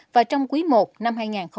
và trong cuối một năm hai nghìn một mươi bảy